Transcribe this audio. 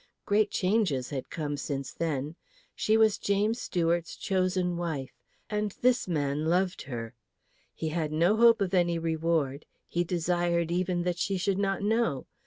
Great changes had come since then. She was James Stuart's chosen wife and this man loved her. He had no hope of any reward; he desired even that she should not know.